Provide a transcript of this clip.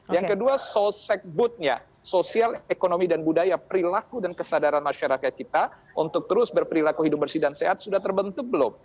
yang kedua sosek booth nya sosial ekonomi dan budaya perilaku dan kesadaran masyarakat kita untuk terus berperilaku hidup bersih dan sehat sudah terbentuk belum